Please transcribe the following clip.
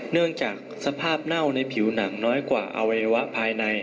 เนื่องจากสภาพเน่าในผิวหนังน้อยกว่าอวัยวะภายใน